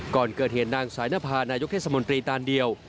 ก่อนเกิดเหตุนางสายนภานายกเทศมนตรีตานเดียว